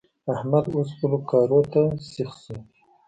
احمد اوس خپلو کارو ته سيخ شو.